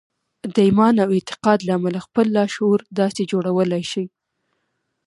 د ايمان او اعتقاد له امله خپل لاشعور داسې جوړولای شئ.